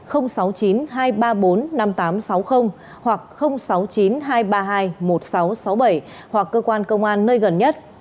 hoặc sáu mươi chín hai trăm ba mươi hai một nghìn sáu trăm sáu mươi bảy hoặc cơ quan công an nơi gần nhất